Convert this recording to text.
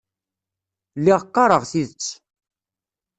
Lliɣ qqareɣ tidet.